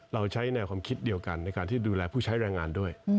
เราใช้แนวความคิดเดียวกันในการที่ดูแลผู้ใช้แรงงานด้วย